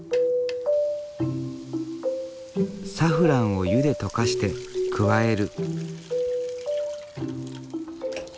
サフランを湯で溶かして加える。